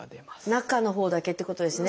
中のほうだけってことですね。